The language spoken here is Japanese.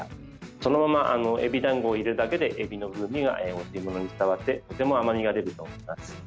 そのままエビだんごを入れるだけでエビの風味がお吸い物に伝わってとても甘みが出てきます。